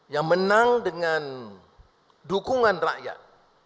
yang menang dengan dukungan rakyat